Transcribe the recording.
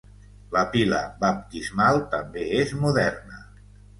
La pila baptismal també és moderna.